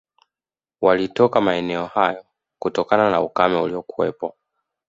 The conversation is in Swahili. Walitoka maeneo hayo kutokana na ukame uliokuwepo